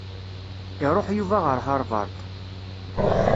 Iṛuḥ Yuba ɣer Harvard.